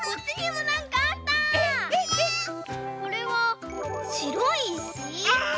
これはしろいいし？